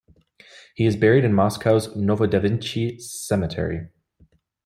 He is buried in Moscow's Novodevichy Cemetery.